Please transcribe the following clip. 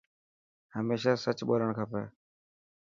هميشه سچ ٻولڻ کپي.